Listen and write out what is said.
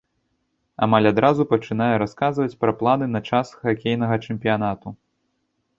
Амаль адразу пачынае расказваць пра планы на час хакейнага чэмпіянату.